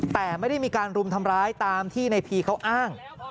แต่ไม่ได้มีการรุมทำร้ายตามที่ในพีเขาอ้าง